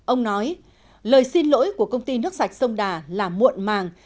ông nói lời xin lỗi của công ty nước sạch sông đà là muộn màng